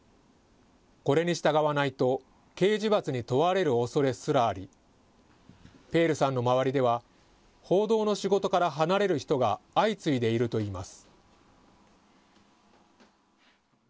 これに従わないと、刑事罰に問われるおそれすらあり、ペールさんの周りでは、報道の仕事から離れる人が相次いでいるといいます。